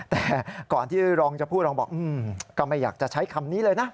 แต่ก่อนที่รองจะพูดรองบอกก็ไม่อยากจะใช้คำนี้เลยนะ